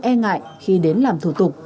e ngại khi đến làm thủ tục